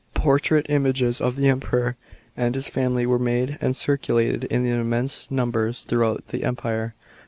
Portrait images of the Emperor and his family were made and circulated in immense numbers throughout the Empire.